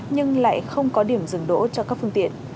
nhưng lại không có điểm dừng đỗ cho các phương tiện